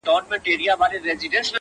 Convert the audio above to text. • زه خو یارانو نامعلوم آدرس ته ودرېدم ـ